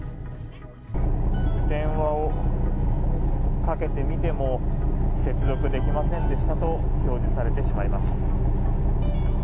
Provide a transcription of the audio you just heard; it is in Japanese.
電話をかけてみても接続できませんでしたと表示されてしまいます。